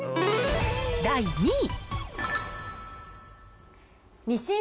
第２位。